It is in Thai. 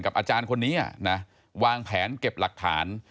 อาจารย์คนนี้นะวางแผนเก็บหลักฐาน